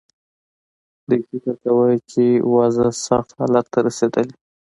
دوی فکر کاوه چې وضع سخت حالت ته رسېدلې.